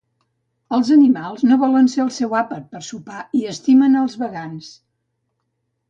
Els animals no volen ser el teu àpat per sopar i estimen als vegans